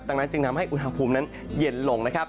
ดังนั้นจึงทำให้อุณหภูมินั้นเย็นลงนะครับ